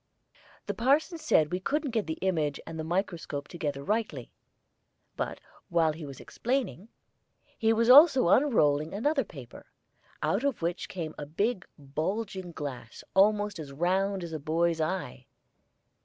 The parson said we couldn't get the image and the microscope together rightly; but while he was explaining, he was also unrolling another paper, out of which came a big bulging glass almost as round as a boy's eye.